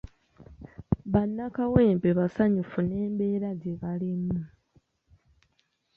Bannakawempe basanyufu n'embeera gye balimu.